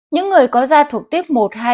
những người có da thuộc tiếp một hai ba